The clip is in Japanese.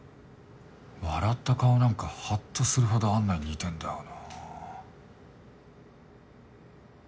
笑った顔なんかはっとするほど安奈に似てんだよな。